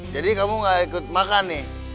jadi kamu nggak ikut makan nih